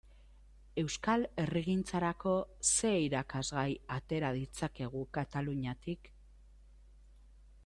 Euskal herrigintzarako zer irakasgai atera ditzakegu Kataluniatik?